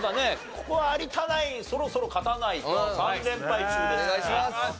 ここは有田ナインそろそろ勝たないと３連敗中ですから。